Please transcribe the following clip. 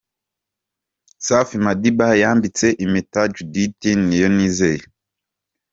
Safi Madiba yambitse impeta Judith Niyonizeye.